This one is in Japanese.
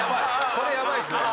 これヤバいですね。